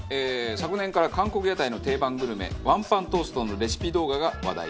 昨年から韓国屋台の定番グルメワンパントーストのレシピ動画が話題。